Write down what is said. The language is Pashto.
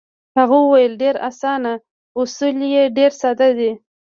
هغه وویل: ډېر اسانه، اصول یې ډېر ساده دي.